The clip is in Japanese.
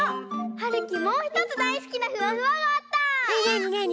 はるきもうひとつだいすきなフワフワがあった！